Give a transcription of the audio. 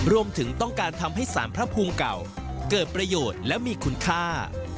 รวมถึงต้องการทำให้สารพระภูมิเก่าเกิดประโยชน์และมีคุณค่า